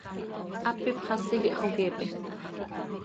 Hap ipxasi quih hxoqueepe.